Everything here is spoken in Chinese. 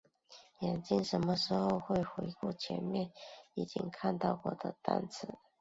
眼睛什么时候会回顾前面已经看到过的单词？